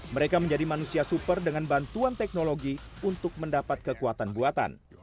mereka menjadi manusia super dengan bantuan teknologi untuk mendapat kekuatan buatan